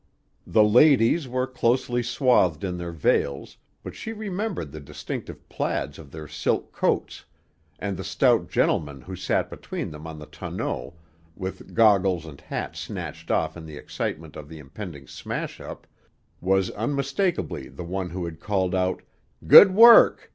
The ladies were closely swathed in their veils, but she remembered the distinctive plaids of their silk coats, and the stout gentleman who sat between them in the tonneau, with goggles and hat snatched off in the excitement of the impending smash up, was unmistakably the one who had called out "Good work!"